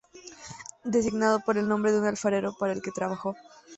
Designado por el nombre de un alfarero para el que trabajó.